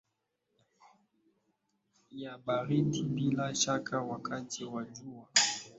ya baridi bila shaka wakati wa jua